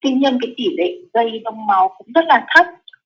nhưng tỷ lệ dây đông máu cũng rất thấp